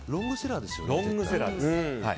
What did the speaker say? ロングセラーですよね。